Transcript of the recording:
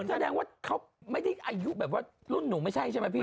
แสดงว่าเขาไม่ได้อายุแบบว่ารุ่นหนูไม่ใช่ใช่ไหมพี่